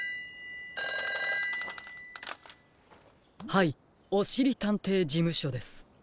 ☎はいおしりたんていじむしょです。